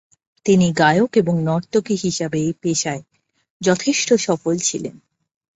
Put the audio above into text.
তিনি গায়ক এবং নর্তকী হিসাবে এই পেশায় যথেষ্ট সফল ছিলেন।